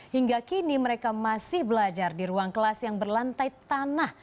hingga kini mereka masih belajar di ruang kelas yang berlantai tanah